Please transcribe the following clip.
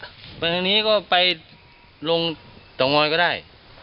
บ๊วยบ๊วยไปทางนี้ก็ลงตรงน้อยก็ได้